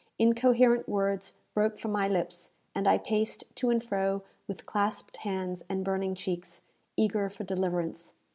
Incoherent words broke from my lips, and I paced to and fro with clasped hands and burning cheeks, eager for deliverance.